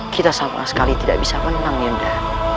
kita sama sekali tidak bisa menang yuda